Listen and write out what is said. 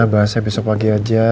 bahasnya besok pagi aja